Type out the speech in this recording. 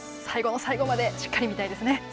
最後の最後までしっかり見たいですね。